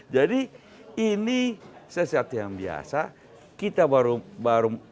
jadi ini sesuatu yang biasa kita baru